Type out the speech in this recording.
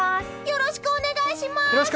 よろしくお願いします！